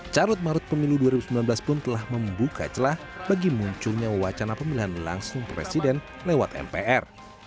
carut marut pemilu dua ribu sembilan belas pun telah membuka celah bagi munculnya wacana pemilihan langsung presiden lewat mpr